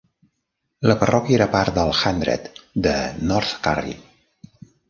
La parròquia era part del Hundred de North Curry.